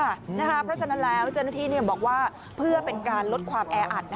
เพราะฉะนั้นแล้วเจ้าหน้าที่บอกว่าเพื่อเป็นการลดความแออัด